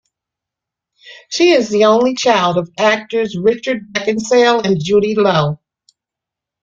She is the only child of actors Richard Beckinsale and Judy Loe.